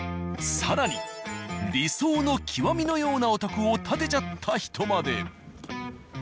更に理想の極みのようなお宅を建てちゃった人まで。